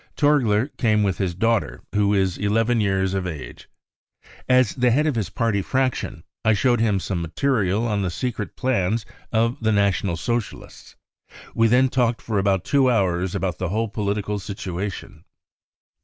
Torgler came with his daughter, who is 1 1 years of age. As the head of his party fraction, I showed him some material on the secret plans of the National Socialists. We then talked for about two hours about the whole political situation.